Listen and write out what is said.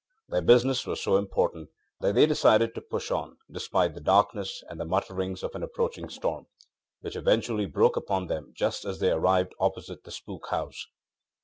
Their business was so important that they decided to push on, despite the darkness and the mutterings of an approaching storm, which eventually broke upon them just as they arrived opposite the ŌĆ£Spook House.